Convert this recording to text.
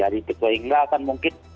jadi kecuali enggak akan mungkin